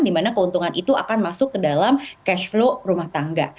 dimana keuntungan itu akan masuk ke dalam cash flow rumah tangga